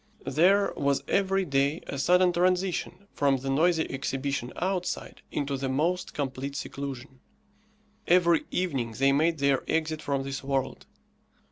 There was every day a sudden transition from the noisy exhibition outside, into the most complete seclusion. Every evening they made their exit from this world.